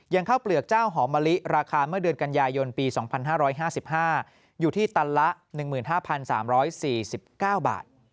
อย่างเข้าเปลือกเจ้าหอมลิราคาเมื่อเดือนกันยายนปี๒๕๕๕อยู่ที่๑๕๓๔๙บาท